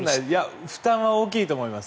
負担は大きいと思います。